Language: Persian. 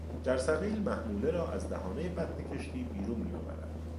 جرثقیل محموله را از دهانهی بطن کشتی بیرون میآورد.